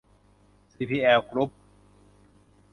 ซีพีแอล กรุ๊ป